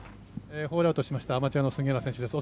ホールアウトしましたアマチュアの杉原選手です。